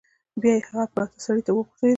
بیا یې هغه پراته سړي ته وغوریده.